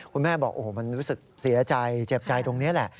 คุณแม่บอกโอ้โหมันรู้สึกเสียใจเจ็บใจตรงนี้แหละ